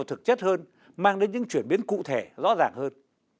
thực chất hơn mang đến những chuyển biến cụ thể rõ ràng hơn